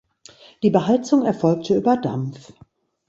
Die Beheizung erfolgte über Dampf.